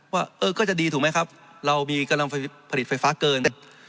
ว่าเออก็จะดีถูกไหมครับเรามีกำลังผลิตไฟฟ้าเกิน